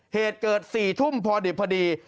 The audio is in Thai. เหตุเกิด๔ทุ่มพอดิบพอดี